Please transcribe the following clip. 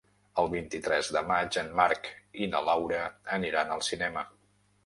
El vint-i-tres de maig en Marc i na Laura aniran al cinema.